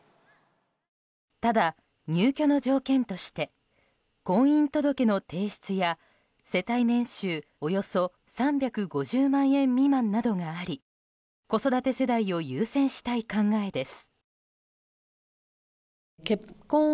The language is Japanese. ただ、入居の条件として婚姻届の提出や世帯年収およそ３５０万円未満などがあり子育て世代を優先したい考えです。